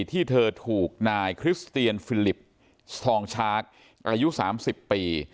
ที่เธอถูกนายคริสเตียนฟิลิปทองชาร์คอายุ๓๐ปี